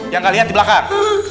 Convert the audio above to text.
yang kalian lihat di belakang